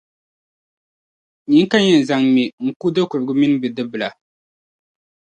Nyini ka n yɛn zaŋ ŋme n-ku do’ kurugu mini bidibbila.